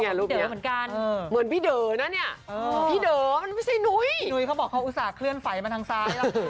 เหมือนพี่เด๋อ๋นะเนี่ยพี่เด๋อ๋ไม่ใช่หนุ๊ย